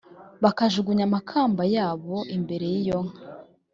bakajugunya amakamba yabo imbere y iyo nka